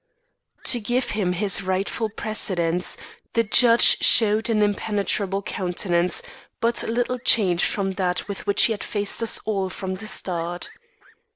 To give him his rightful precedence, the judge showed an impenetrable countenance but little changed from that with which he had faced us all from the start.